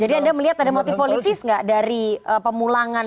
jadi anda melihat ada motif politis gak dari pemulangan